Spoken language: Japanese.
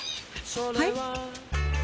はい？